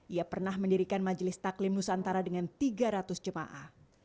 ia pernah mendirikan majelis taklim nusantara dengan tiga ratus jemaah